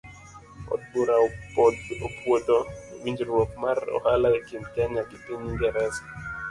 Od bura opuodho winjruok mar ohala ekind kenya gi piny ingereza.